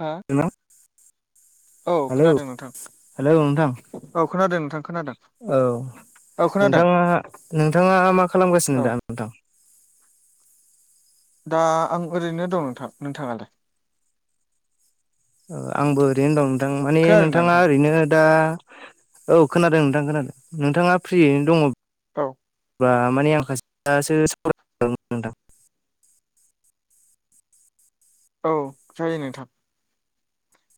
हा औ हेलौ खोनादों नोंथां हेल' नोंथां। औ खोनादों नोंथां खोनादों? औ औ खोनादों नोंथांङा मा खालामगासिनो औ दा नोंथां? दा आं ओरैनो दं नोंथां। नोंथाङालाय? आंबो ओरैनो दं नोंथां माने खोनादोंना नोंथाङा नोंथां ओरैनो दा औ खोनादों नोंथां खोनादों। नोंथाङा फ्रियैनो दङ औ बा माने आं [unintelligible] सावरायनो [inaudible] नोंथां। औ जायो नोंथां।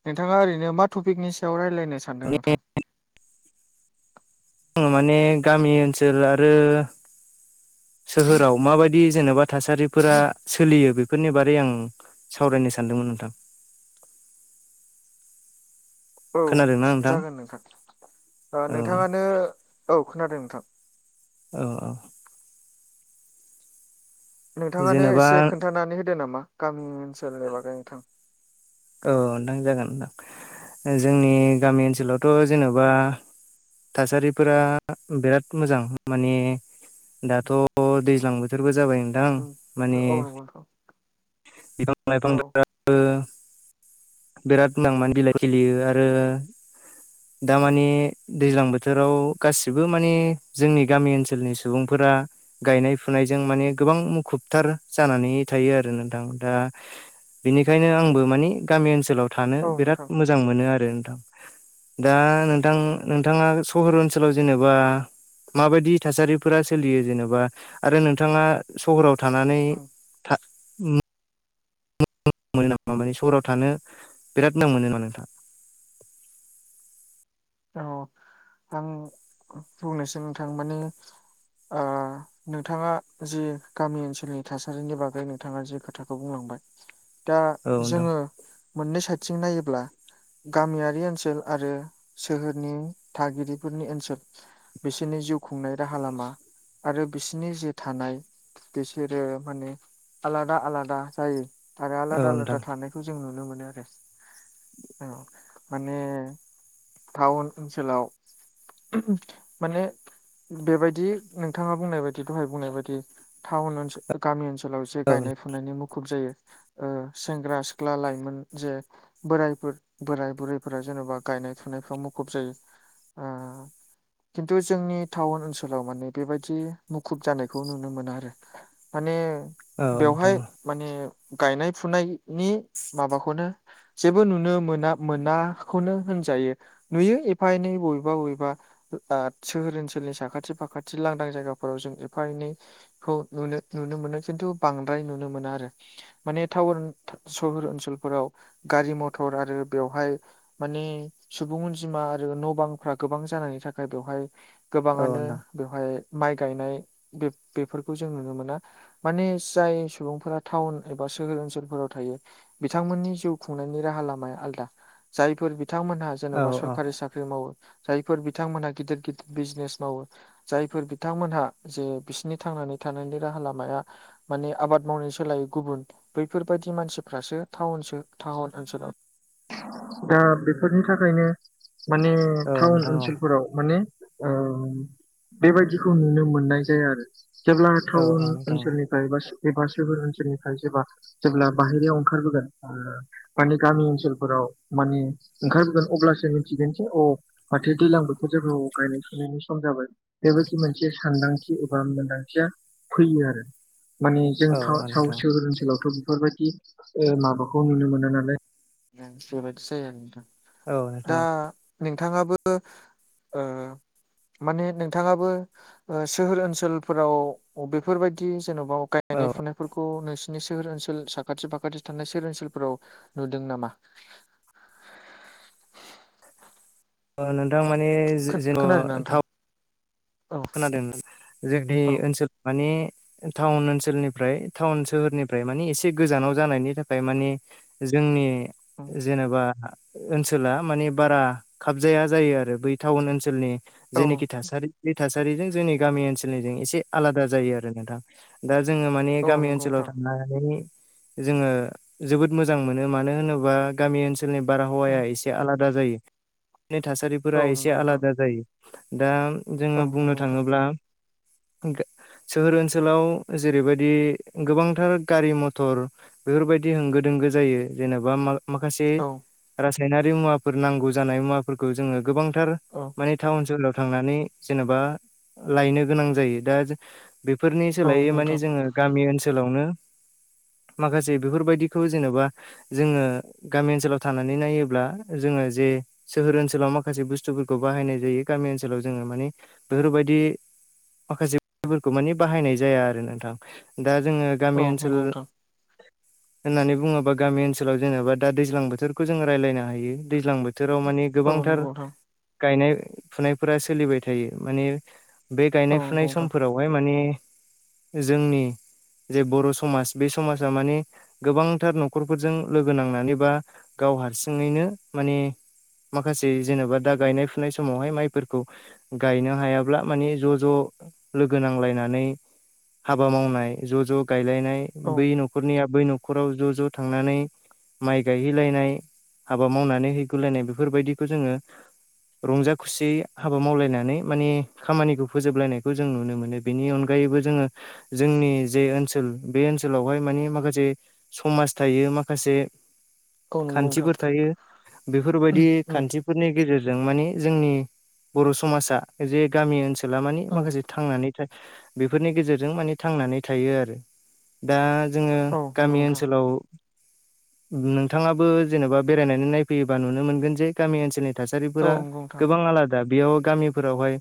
नोंथाङा ओरैनो मा टपिकनि सायाव रायलायनो सान्दों माने थां? आङो माने गामि ओनसोल आरो सोहोराव माबायदि जेन'बा थासारिफोरा सोलियो बेफोरनि बारै आं सावरायनो सानदोंमोन नोंथां। औ खोनादोंना नोंथां जागोन नोंथां। औ नोंथाङानो औ खोनादों नोंथां। अह। नोंथाङानो जेनेबा एसे खोन्थानानै होदो नामा गामि ओनसोलनि बागै नोंथां। औ नोंथां जागोन नोंथां। जोंनि गामि ओनसोलावथ' जेन'बा उम थासारिफोरा बिराद मोजां माने दाथ' दैज्लां बोथोरबो जाबाय नोंथां उम माने औ नंगौ नोंथां बिफां औ लाइफांफोराबो बिराद [inaudible] नां माने बिलाइ खिलियो आरो दा माने दैज्लां बोथोराव गासिबो माने जोंनि गामि ओनसोलनि सु सुबुंफोरा गायनाय फुनायजों माने गोबां मुखुबथार जानानै थायो आरो नोंथां दा बेनिखायनो आंबो माने गामि ओनसोलाव थानो औ बिराद नोंथां मोजां मोनो आरो नोंथां। दा नोंथां नोंथाङा सहर ओनसोलाव जेनेबा माबायदि थासारिफोरा सोलियो जेन'बा आरो नोंथाङा सहराव थानानै उम था मोनो नामा माने सहराव थानो बिराद [unintelligible] मोनो नामा नोंथां? औ आं बुंंनोसै नोंथां माने नोंथाङा जि गामि ओनसोलनि थासारिनि बागै नोंथाङा जि खोथाखौ बुंलांबाय [inaudible] दा नोंथां जोङो मोननै साइडथिं नायोब्ला गामियारि ओनसोल आरो सोहोरनि थागिरिफोरनि ओनसोल बिसिनि जिउ खुंनाय राहा लामा आरो बिसिनि जे थानाय बिसोरो माने आलादा आलादा जायो। आरो औ आलादा नोंथां आलादा थानायखौ जों नुनो मोनो आरो औ। माने टाउन ओनसोलाव माने बेबायदि नोंथाङा बुंनाय बादि दहाय बुंनाय बादि टाउन ओनसोल गामि ओनसोलाव जे औ गायनाय फुनायनि मुखुब जायो। सेंग्रा सिख्ला लाइमोन जे बोराय बुर बोराय बुरैफोरा जेन'बा गायनाय फुनायफाव मुखुब जायो। खिन्थु जोंनि टाउन ओनसोलाव माने बेबायदि मुखुब जानायखौ नुनो मोना आरो। माने नोंथां बेवहाय माने गायनाय फुनायनि माबाखौनो जेबो नुनो मोना मोनाखौनो होनजायो। नुयो एफा एनै बबेबा बबेबा सोहोर ओनसोलनि साखाथि फाखाथि लांदां जायगाफोराव जों एफा एनै खौु नुनो मोनो खिन्थु बांद्राय नुनो मोनो आरो। माने टाउन सहर ओनसोलफोराव गारि मथर आरो बेवहाय माने सुबुं अनजिमा आरो न' बांफ्रा गोबां जानायनि थाखाय बेवहाय औ गोबाङानो नोंथां बेवहाय माइ गायनाय बे-बेफोरखौ जों नुनो मोना। माने जाय सुबुंफोरा टाउन एबा सोहोर ओनसोलफोराव थायो बिथांमोननि जिउ खुंनायनि राहा लामाया आलदा। जायफोर बिथांमोनहा जेन'बा औ सरकारि सा मावो जायफोर बिथांमोनहा गिदिर गिदिर बिजनेस मावो जायफोर बिथांमोनहा जे बिसिनि थांनानै थानायनि राहा लामाया माने आबाद मावनाय सोलायो गुबुन बैफोरबायदि मानसिफ्रासोो टाउन ओनसोलाव दा बेफोरनि थाखायनो माने औ औ टाउन नोंथां ओनसोलफोराव माने बेबायदिखौ नुनो मोननाय जाया आरो जेब्ला औ टाउन नोंथां औ नोंथां ओनसोलनि एबा सोर ओनसोलनिफ्राय सोरबा जेब्ला बाहेरायाव ओंखारबोगोन माने गामि ओनसोलफोराव माने ओंखारबो अब्लासो मिथिगोन जे औ माथो दैज्लां बोथोर जेबो गायनाय सुनायनि सम जाबाय। बेबायदि मोनसे सानदांथि एबा मोनदांथिया फैयो आरो माने जों औ साउ सोहोर ओनसोलावथ' बेफोरबायदि ए माबाखौ नुनो मोना नालाय बेबायदि जायो आरो नोंथां। दा नोंथां औ नोंथाङाबो माने नोंथाङाबो सोहोर ओनसोलफोराव बेफोरबायदि जेन'बा गायनाय फुनाय फोरफोरखौ नोंसिनि सोहोर ओनसोल साखाथि फाखाथि थानाय सोहेर ओनसोलफोराव नुदों नामा? नोंथां माने जे जेन' खोनादों ना नोंथां थाम औ खोनादों जोंदि औ ओनसोल माने टाउन ओनसोलनिफ्राय टाउन सोहोरनिफ्राय माने एसे गोजानाव जानायनि थाखाय माने जोंनि जेनेबा ओनसोला माने बारा खाबजाया जायो आरो बै टाउन ओनसोलनि औ जेनेखि थासारि बे थासारिजों जोंनि गामि ओनसोलनिजों एसे आलादा जायो आरो नोंथां। दा जोङो माने औ गामि नंगौ ओनसोलाव नोंथां थानानै जोङो जोबोद मोजां मोनो मानो होनोबा गामि ओनसोलनि बारहावाया एसे आलादा। आलदा जायो थासारिफोरा औ एसे नंगौ नोंथां आलादा जायो दा औ जोङो बुंनो नंगौ नोंथां थाङोब्ला सोहोर ओनसोलाव जेरैबायदि गोबांथार गारि मथर बेफोरबायदि होंगो दोंगो जायो जेनेबा माखासे औ रासायनारि मुवाफोर नांगौ जानाय मुवा फोरखो जोङो गोबांथार औ माने टाउन सोहोलाव थांनानै जेनेबा लायनो गोनां जायो दा बेफोरनि औ सोलायै नंगौ माने नोंथां जोङो गामि ओनसोलावनो माखासे बेफोरबायदिखौ जेनेबा जोङो गामि ओनसोलाव थानानै नायोब्ला जोङो जे सोहोर ओनसोलाव माखासे बुस्थुफोरखौ बाहायनाय जायो गामि ओनसोलाव जोङो माने बेफोरबायदि माखासेफोरखौ माने बाहायनाय जाया आरो नोंथां दा जोङो औ गामि ओनसोल नंगौ नोंथां होननानै बुङोबा गामि ओनसोलाव जेनेबा दा दैज्लां बोथोरखौ जोङो रायज्लायनो हायो। दैज्लां बोथोराव माने गोबांथार गायनाय फुनायफोरा सोलिबाय थायो माने बे औ गायनाय फुनाय नंगौ नोंथां समफोरावहाय माने जोंनि जे बर' समाज बे समाजा माने गोबांथार न'खरफोरजों लोगो नांनानै बा गाव हारसिङैनो माने माखासे जेनेबा दा गायनाय फुनाय समावहाय माइफोरखौ गायनो हायाब्ला माने ज' ज' लोगो नांलायनानै हाबा मावनाय ज' ज' गायलायनाय औ बै न'ख न'खरनिया बै न'खराव ज' ज' थांनानै माइ गायहैलायनाय हाबा मावनानै हैगुलायनाय बेफोरबायदिखौ जोङो रंजा खुसि हाबा मावलायनाय नै माने खामानिखौ फोजोबलायनायखौ जों नुनो मोनो बेनि अनगायैबो जोङो जोंनि जे ओनसोल बे ओनसोलावहाय माने माखासे समाज थायो माखासे नंगौ नोंथां खान्थिफोर थायो बेफोरबायदि औ खान्थि फोरनि गेजेरजों माने जोंनि बर' समाजा जे गामि ओनसोला माने औ नंगौ नोंथां माखासे उम थांनानै थाइ बेफोरनि गेजेरजों माने थांनानै थायो आरो। दा जोङो औ नंगौ गामि नोंथां ओनसोलाव नोंथाङाबो जेन'बा बेरायनानै नायफैयोबा नुनो मोनगोन जे गामि ओनसोलनि औ थासारिफोरा नंगौ नोंथां गोबां आलादा बेयाव गामिफोरावहाय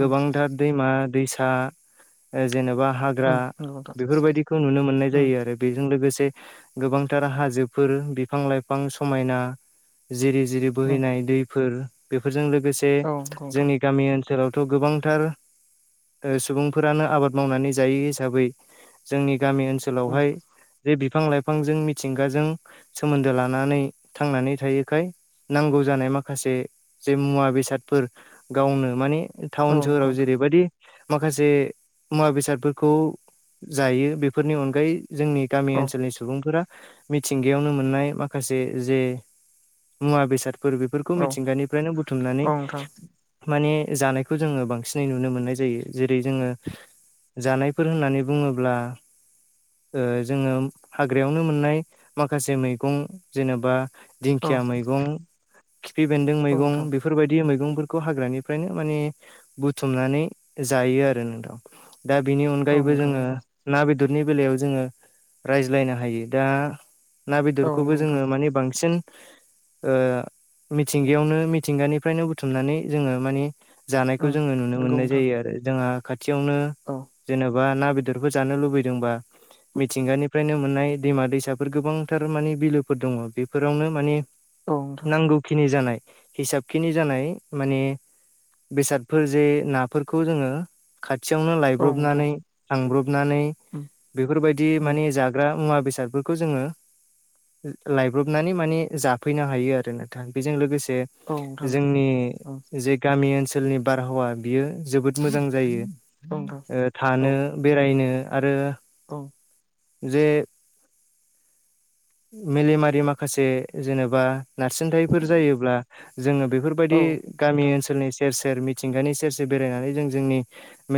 उम गोबांथार दैमा दैसा जेनेबा हा ग्रा उम नंगौ नोंथां बेफोरबायदिखौ नुनो मोननाय उम जायो आरो। बेजों लोगोसे गोबांथार हाजोफोर बिफां लाइफां समायना जिरि जिरि उम बोहैनाय दैफोर बेफोरजों लोगोसे औ नंगौ नोंथां जोंनि गामि ओनसोलावथ' गोबांथार सुबुंफोरानो आबाद मावनानै जायै हिसाबै जोंनि गामि ओनसो उम ओनसोलावहाय जे बिफां लाइफांजों मिथिंगाजों सोमोन्दो लानानै थांनानै थायोखाय नांगौ जानाय माखासे जे मुवा बेसादफोर गावनो माने औ टाउन नंगौ नोंथां सोहोराव जेरैबायदि माखासे मुवा बेसादफोरखौ जायो बेफोरनि अनगायै जोंनि गामि औ ओनोलनि सुबुंफोरा मिथिंगायावनो मोननाय माखासे जे मुवा बेसादफोर बेफोर खौखौ औ मिथिंगानिफ्रायनो बुथुमनानै औ नोंथां माने जानायखौ जोङो बांसिनै नुनो मोननाय जायो। जेरै जोङो जानायफोर होननानै बुङोब्ला ओ जोङो हाग्रायावनो मोननाय माखासे मैगं जेनेबा औ दिंखिया मैगं खिफि बेन्दों औ मैगं नोंथां बेफोरबायदि मैगं खौ हाग्रानिफ्रायनो माने बुथुमनानै जायो आरो नोंथा। दा बिनि औ अनगायैबो नोंथां जोङो नंगौ ना बेदरनि बेलायाव जोङो रायज्लायनो हायो दा ना औ बेदरखौबो नंगौ जोङो नोंथां मानि बांसिन ओ मिथिंगायावनो मिथिंगानिफ्रायनो बुथुमनानै जोङो मानि जानायखौ उम जोङो नुनो नंगौ मोननाय नोंथां जायो। आरो जोंहा खाथियावनो औ जेनेबा ना बेदर गिदिरफोर जानो लुबैदोंबा मिथिंगानिफ्रायनो मोननाय दैमा दैसाफोर गोबांथार मानिे बिलोफोर दङ बेफोरावनो मानि औ नोंथां नांगौखिनि जानाय हिसाब खिनि जानाय माने बेसादफोर जे नाफोरखौ जोङो खाथियावनो औ नोंथां लायब्रबनानै थांब्रबनानै उम बेफोरबायदि उम माने जाग्रा मुवा बेसाद खौ जोङो लायब्रबनानै माने जाफैनो हायो आरो नथां बेजों लोगोसे औ नोंथां जोंनि उम जे गामि ओनसोलनि बारहावा बियो जोबोद मोजां औ नोंथां जायो। औ थानो बेरायनो आरो औ जे मेलेमारि माखासे जेनेबा नारसिनथायफोर जायोब्ला जोङो औ बेफोरबायदि गामि नोंथां ओनसोलनि सेर सेर मिथिंगानि सेरसे बेरायनानै जों जोंनि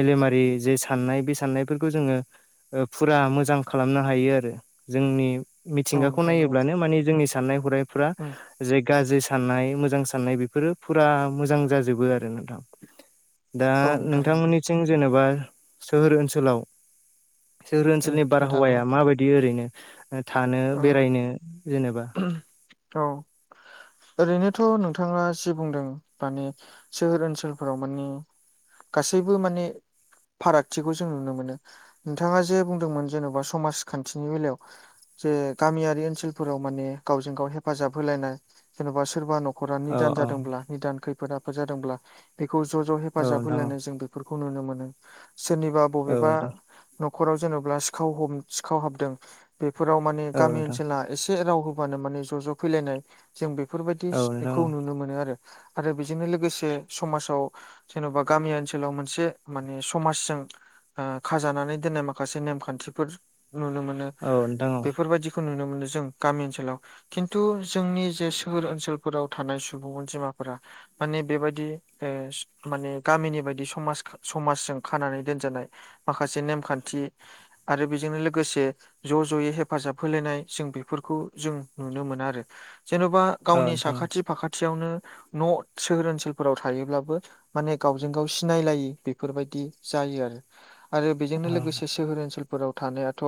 मेलेमारि जे साननाय बे साननायफोरखौ जोङो फुरा मोजां खालामनो हायो आरो जोंनि औ मिथिंगाखौ नोंथां नंगौ नायोब्लानो मानि जोंनि साननाय हनायफ्रा उम जे गाज्रि साननाय मोजां साननाय बेफोरो फुरा मोजां जाजोबो आरो नोंथां। दा औ नोंथां नंगौ नोंथांमोननिथिं जेनेबा सोहोर ओनसोलाव सहोर उम ओनसोलनि नोंथां बारहावाया नंगौ माबायदि ओरैनो थानो औ बेरायनो जेनेबा औ ओरैनोथ' नोंथाङा जि बुंदों माने सोहोर ओनसोलफोराव माने गासैबो माने फारागथिखौ जों नुनो मोनो नोंथाङा जे बुंदोंमोन जेन'बा समाजखान्थिनि बेलायाव जे गामियारि ओनसोलफोराव माने गावजों गाव हेफाजाब होलायनाय जेन'बा सोरबा नखर नखरा औ निदान औ जादोंब्ला निदान खैफोद आफोद जादोंब्ला बेखौ ज' ज' औ हेफाजाब नोंथां होलायनो जों फोरखौ नुनो मोनो सोरनिबा औ बबेबा नोंथां न'खराव जेनेबा सिखाव हम सिखाव हाबदों बेफोराव माने औ गामि नोंथां ओनसोला एसे राव हबानो माने ज' ज' फैलायनाय जों बेफोरबायदिखौ सि नुनो मोनो आरो आरो बेजोंनो लोगोसे समाजाव जेन'बा गामि ओनसोलाव मोनसे माने समाजजों ओ खाजानानै दोननाय माखासे नेमखान्थिफोर नुनो मोनो। औ नोंथां औ बेफोरबायाददिखौ नुनो मोनो जों गामि ओनसोलाव खिन्थु जोंनि जे सोहोर ओनसोलफोराव थानाय सुबुं अनजिमाफोरा माने बेबायदि ओ माने गामिनि बायदि समाज समाजजों खानानै दोनजेननाय माखासे नेमखान्थि आरो बेजोंनो लोगोसे ज' ज'यै हेफाब हेफाजाब होलायनाय जों बेफोरखौ जों नुनो मोना आरो जेन'बा औ गावनि नोंथां साखाथि फाखाथियावनो न' सोहोर ओनसोलफोराव थायोब्लाबो माने गावजों गाव सिनायलायै बेफोरबायदि जायो आरो आरो बेजोंनो औ लोगोसे सोहोर ओनसोलफोराव थानायाथ'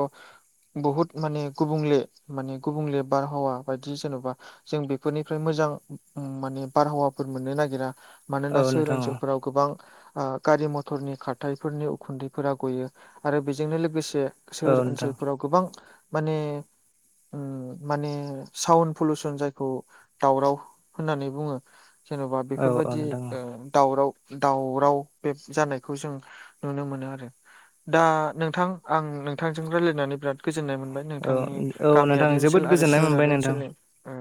बहुत माने गुबुंले माने गुबुंले बारहावा बायदि जेन'बा जों बेफोरनिफ्राय मोजां माने बारहावाफोर मोननो नागिरा औ नोंथां औ मानोना सोहोर नोंथां ओनसोलफोराव गोबां ओ गारि मथरनि खाथायाइफोरनि उखुन्दैफोरा गयो। आरो बेजोंनो लोगोसे औ सोहोर नोंथां ओनसोलफोराव गोबां माने उम माने साउन पलुसन जायखौ दावराव होननानै बुङो जेन'बा औ औ बेफोरबायदि नोंथां ओ दावराव दावराव बे जानायखौ जों नुनो मोनो आरो दा नोंथां आं नोंथांजों रायज्लायनानै बिराद गोजोननाय मोनबाय। नोंथांनि औ औ नोंथां गामियारि जोबोद ओनसोल आरो गोजोननाय मोनबाय सोहोरारि नोंथां ओनसोलनि ओ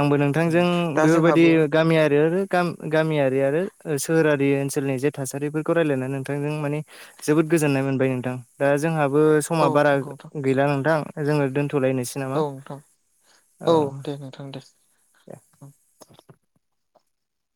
आंबो उम नोंथांजों दा बेफोरबायदि जोंहाबो गामि आरो गाम गामियारि आरो सोहोरारि ओनसोलनि जे थासारिफोरखौ रायजलायनानै नोंथांजों मानि जोबोद गोजोननाय मोनबाय नोंथां दा जोंहाबो समा औ बारा नंगौ नोंथां गैला नोंथां जोङो दोन्थ'लायनोसै। औ नोंथां औ दे नोंथां दे। दे।